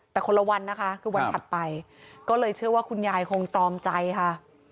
แต่คนละวันนะคะคือวันถัดไปก็เลยเชื่อว่าคุณยายคงตรอมใจค่ะ